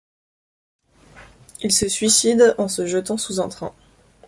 Il se suicide en se jetant sous un train.